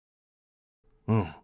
うん。